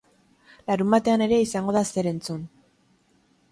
Larunbatean ere izango da zer entzun.